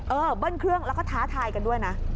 เบิ้ลเครื่องแล้วก็ท้าทายกันด้วยนะ